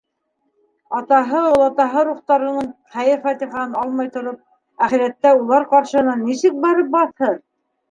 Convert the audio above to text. Атаһы, олатаһы рухтарының хәйер-фатихаһын алмай тороп, әхирәттә улар ҡаршыһына нисек барып баҫһын?!